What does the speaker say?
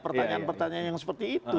pertanyaan pertanyaan yang seperti itu